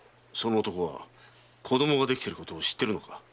その男は子供ができたことを知ってるのか？